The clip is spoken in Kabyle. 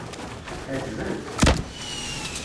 Ɛeǧben-tt?